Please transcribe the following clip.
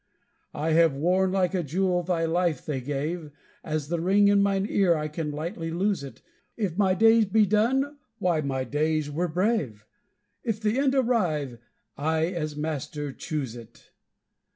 I have worn like a jewel the life they gave; As the ring in mine ear I can lightly lose it, If my days be done, why, my days were brave! If the end arrive, I as master choose it!